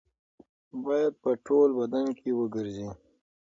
باید په ټول بدن کې وګرځي.